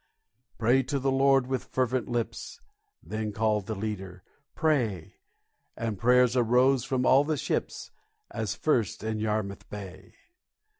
"Pray to the Lord with fervent lips," Then called the leader, "pray;" And prayer arose from all the ships, As first in Yarmouth Bay.